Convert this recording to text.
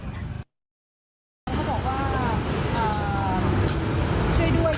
ก็เรียกแฟนที่ไม่รู้ว่าเขาอยู่ไหน